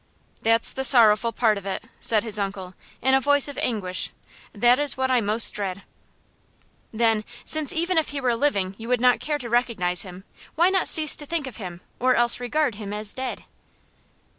"That's the sorrowful part of it," said his uncle, in a voice of anguish. "That is what I most dread." "Then, since even if he were living you would not care to recognize him, why not cease to think of him, or else regard him as dead?"